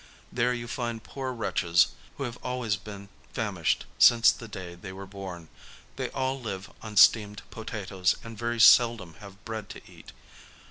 There you find poor wretches who have always been famished since the day they were bom : they all live on steamed potatoes, and very seldom have bread to eat.